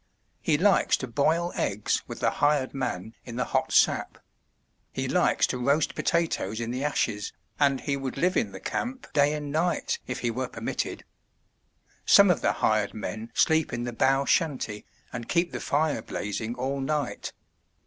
He likes to boil eggs with the hired man in the hot sap; he likes to roast potatoes in the ashes, and he would live in the camp day and night if he were permitted. Some of the hired men sleep in the bough shanty and keep the fire blazing all night.